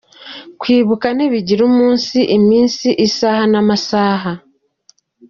Kwibuka ntibigira umunsi, iminsi, isaha n’amasaha,